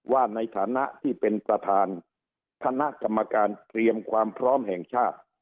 ว่าในฐานะที่เป็นประธานคณะกรรมการเตรียมความพร้อมแห่งชาติ